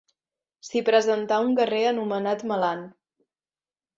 S'hi presentà un guerrer anomenat Melant.